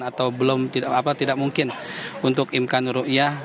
atau belum tidak apa tidak mungkin untuk imkan rukyat